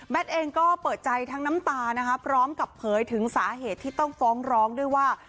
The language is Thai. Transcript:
เองก็เปิดใจทั้งน้ำตานะคะพร้อมกับเผยถึงสาเหตุที่ต้องฟ้องร้องด้วยว่า